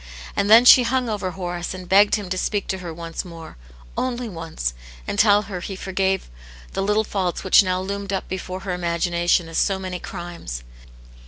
And then she hung over Horace and begged him to speak to her once more, only once, and tell her he forgave the little faults which now loomed up before her imagination as so many crimes.